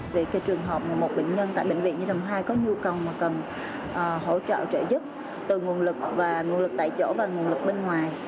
về cái trường hợp một bệnh nhân tại bệnh viện nhi đồng hai có nhu cầu mà cần hỗ trợ trợ giúp từ nguồn lực và nguồn lực tại chỗ và nguồn lực bên ngoài